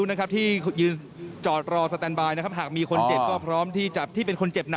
นี่คือรถอะไรฮะ